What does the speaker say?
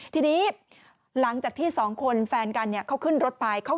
ทีนี้หลังจากที่สองคนแฟนกันเขาขึ้นรถไป